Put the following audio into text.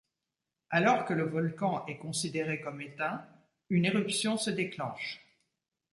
Alors que le volcan est considéré comme éteint, une éruption se déclenche.